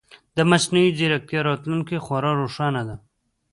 د مصنوعي ځیرکتیا راتلونکې خورا روښانه ده.